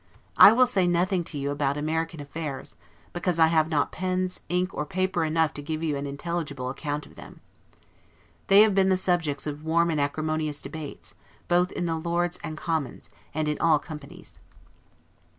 I will say nothing to you about American affairs, because I have not pens, ink, or paper enough to give you an intelligible account of them. They have been the subjects of warm and acrimonious debates, both in the Lords and Commons, and in all companies.